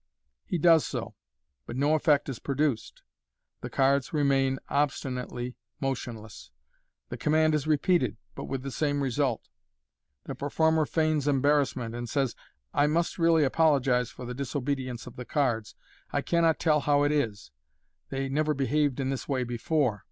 He does so, but no effect is produced j the cards remain obstinately motionless. The command is repeated, but with the same result. The performer feigns embarrassment, and says, " I must really apolo gize for the disobedience of the cards. I cannot tell how it is j they never behaved in this way before.